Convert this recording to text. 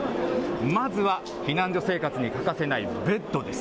まずは、避難所生活に欠かせないベッドです。